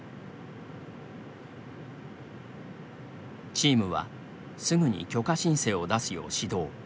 チームはすぐに許可申請を出すよう指導。